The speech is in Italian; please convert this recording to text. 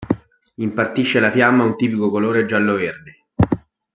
Impartisce alla fiamma un tipico colore giallo-verde.